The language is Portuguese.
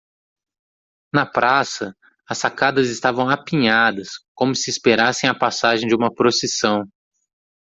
Na praça, as sacadas estavam apinhadas, como se esperassem a passagem de uma procissão.